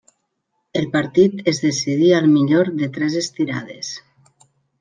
El partit es decidí al millor de tres estirades.